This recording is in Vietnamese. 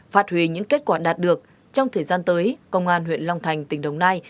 phát huy những kết quả đạt được trong thời gian tới công an huyện long thành tỉnh đồng nai